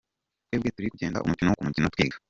Twebwe turi kugenda umukino ku mukino twiga.